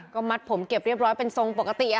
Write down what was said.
ก็มัดผมเก็บเรียบร้อยเป็นทรงปกติ